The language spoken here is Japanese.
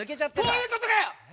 そういうことかよ！